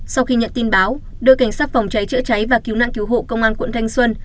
sau khi nhận tin báo đội cảnh sát phòng cháy chữa cháy và cứu nạn cứu hộ công an quận thanh xuân